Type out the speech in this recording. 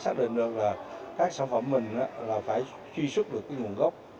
xác định được là các sản phẩm mình là phải truy xuất được cái nguồn gốc